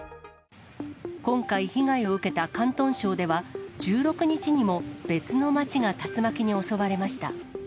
今回、被害を受けた広東省では、１６日にも別の街が竜巻に襲われました。